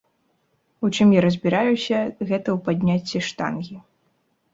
У чым я разбіраюся, гэта ў падняцці штангі.